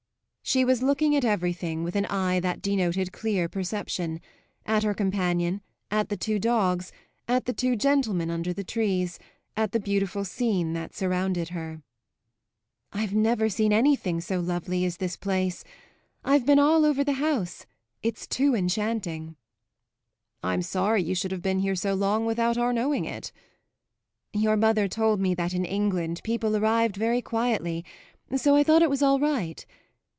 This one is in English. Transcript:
She was looking at everything, with an eye that denoted clear perception at her companion, at the two dogs, at the two gentlemen under the trees, at the beautiful scene that surrounded her. "I've never seen anything so lovely as this place. I've been all over the house; it's too enchanting." "I'm sorry you should have been here so long without our knowing it." "Your mother told me that in England people arrived very quietly; so I thought it was all right.